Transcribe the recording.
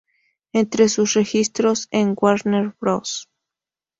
Entre sus registros en Warner Bros.